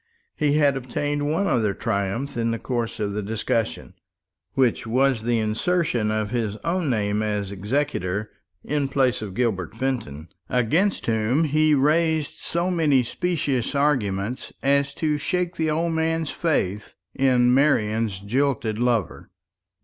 He had obtained one other triumph in the course of the discussion, which was the insertion of his own name as executor in place of Gilbert Fenton, against whom he raised so many specious arguments as to shake the old man's faith in Marian's jilted lover.